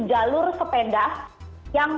jalur sepeda yang